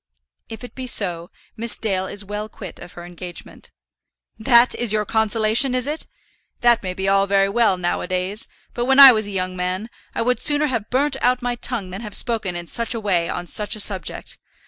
"If it be so, Miss Dale is well quit of her engagement." "That is your consolation, is it? That may be all very well now a days; but when I was a young man, I would sooner have burnt out my tongue than have spoken in such a way on such a subject.